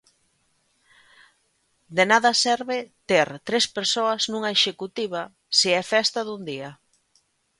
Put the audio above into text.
De nada serve ter tres persoas nunha Executiva se é festa dun día.